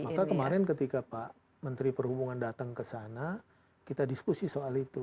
maka kemarin ketika pak menteri perhubungan datang ke sana kita diskusi soal itu